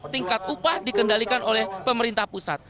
tingkat upah dikendalikan oleh pemerintah pusat